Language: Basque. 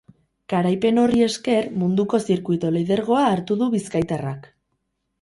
Garaipen horri esker munduko zirkuituko lidergoa hartu du bizkaitarrak.